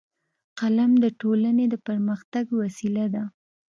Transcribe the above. قلم د ټولنې د پرمختګ وسیله ده